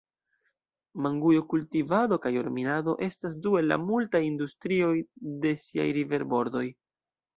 Mangujo-kultivado kaj oro-minado estas du el la multaj industrioj de siaj riverbordoj.